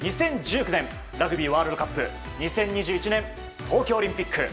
２０１９年ラグビーワールドカップ２０２１年、東京オリンピック。